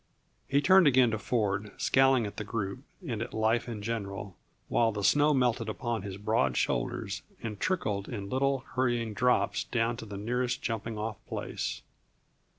He turned again to Ford, scowling at the group and at life in general, while the snow melted upon his broad shoulders and trickled in little, hurrying drops down to the nearest jumping off place.